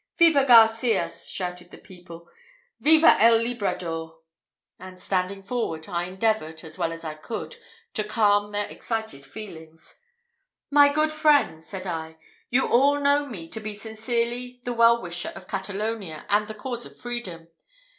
"Viva Garcias!" shouted the people. "Viva el Librador!" and, standing forward, I endeavoured, as well as I could, to calm their excited feelings. "My good friends," said I, "you all know me to be sincerely the well wisher of Catalonia and the cause of freedom.